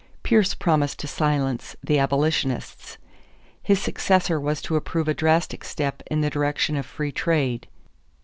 Pierce promised to silence the abolitionists. His successor was to approve a drastic step in the direction of free trade.